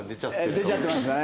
出ちゃってますかね。